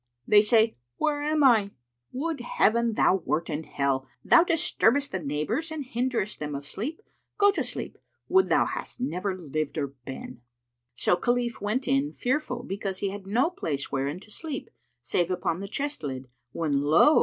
"They say, 'Where am I?'" "Would Heaven thou wert in Hell! Thou disturbest the neighbours and hinderest them of sleep. Go to sleep, would thou hadst never lived nor been!" So Khalif went in fearful because he had no place wherein to sleep save upon the chest lid when lo!